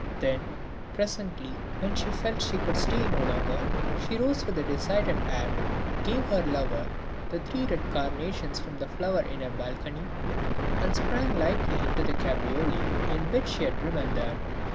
Then, presently, when she felt she could stay no longer, she rose with a decided air, gave her lover the three red carnations from the flower in her balcony and sprang lightly into the cabriolet in which she had driven there.